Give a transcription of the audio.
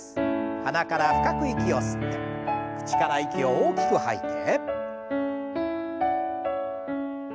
鼻から深く息を吸って口から息を大きく吐いて。